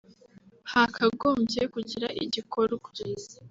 hakagombye kugira igikorwa